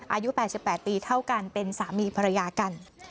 อายุ๘๘ปีเท่ากันเป็นสามีภรรยากัน